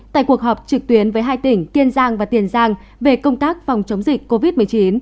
tại cuộc họp trực tuyến với hai tỉnh kiên giang và tiền giang về công tác phòng chống dịch covid một mươi chín